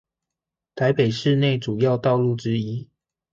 台北市內主要道路之一